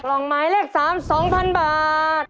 กล่องหมายเลข๓๒๐๐๐บาท